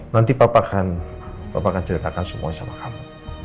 nanti papa akan ceritakan semuanya sama kamu